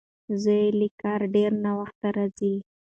زوی یې له کاره ډېر ناوخته راځي.